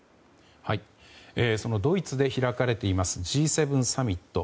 そのドイツで開かれていますＧ７サミット。